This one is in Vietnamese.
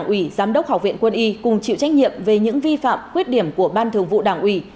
ủy giám đốc học viện quân y cùng chịu trách nhiệm về những vi phạm khuyết điểm của ban thường vụ đảng ủy